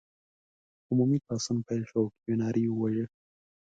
عمومي پاڅون پیل شو او کیوناري یې وواژه.